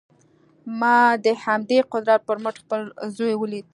ما د همدې قدرت پر مټ خپل زوی وليد.